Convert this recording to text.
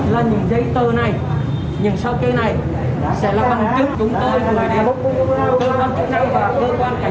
là những giấy tờ này những sao kê này sẽ là bằng chức chúng tôi là người đẹp